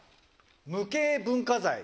無形文化財。